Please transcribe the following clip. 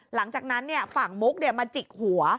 หลังจากนั้นฝั่งมุกมาจิกหัว